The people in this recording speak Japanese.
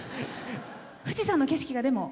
富士山の景色が、でも。